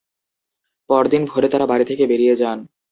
পরদিন ভোরে তারা বাড়ি থেকে বেরিয়ে যান।